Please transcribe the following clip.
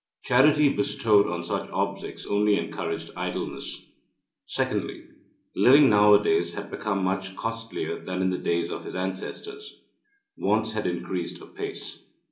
Charity bestowed on such objects only encouraged idleness. Secondly, living nowadays had become much costlier than in the days of his ancestors. Wants had increased apace.